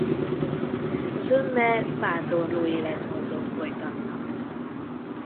Zömmel vándorló életmódot folytatnak.